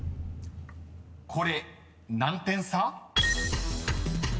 ［これ何点差？］